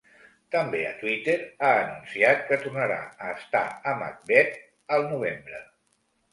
També a Twitter ha anunciat que tornarà a estar a Macbeth al novembre!